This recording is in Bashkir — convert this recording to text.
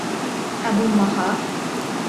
— Ә булмаһа?